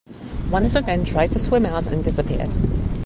One of the men tried to swim out and disappeared.